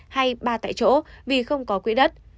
hay ba tại chỗ vì không có quỹ đất